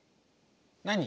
何？